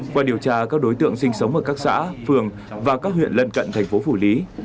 qua điều tra các đối tượng sinh sống ở các xã phường và các huyện lân cận thành phố phủ lý